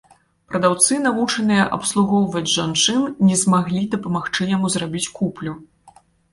Прадаўцы, навучаныя абслугоўваць жанчын, не змаглі дапамагчы яму зрабіць куплю.